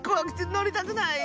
のりたくない！